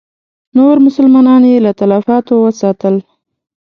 نور مسلمانان یې له تلفاتو وساتل.